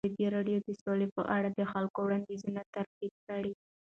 ازادي راډیو د سوله په اړه د خلکو وړاندیزونه ترتیب کړي.